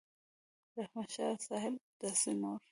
رحمت شاه ساحل او داسې نور